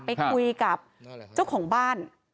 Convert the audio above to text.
ไปคุยกับเจ้าของบ้าน